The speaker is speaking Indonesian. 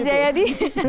mas yaya di